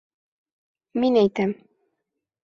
Мин әйтәм.